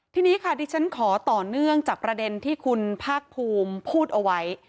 ทีนี้ค่ะดิฉันขอต่อเนื่องจากประเด็นที่คุณภาคภูมิพูดเอาไว้